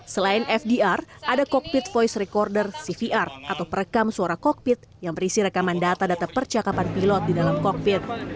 selain fdr ada cockpit voice recorder cvr atau perekam suara kokpit yang berisi rekaman data data percakapan pilot di dalam kokpit